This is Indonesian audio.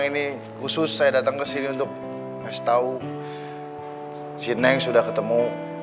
ini khusus saya datang ke sini untuk kasih tahu cineng sudah ketemu